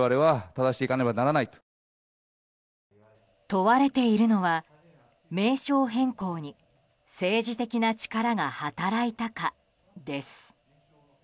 問われているのは、名称変更に政治的な力が働いたかです。